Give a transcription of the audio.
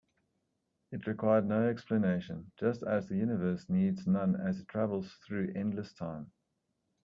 It required no explanation, just as the universe needs none as it travels through endless time.